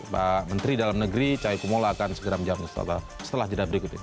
pak menteri dalam negeri cahaya kumola akan segera menjawab setelah jeda berikut ini